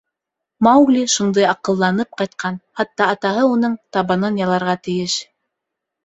Маугли шундай аҡылланып ҡайтҡан, хатта атаһы уның табанын яларға тейеш.